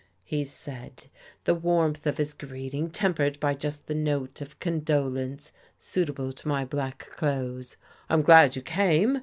he said, the warmth of his greeting tempered by just the note of condolence suitable to my black clothes. "I'm glad you came.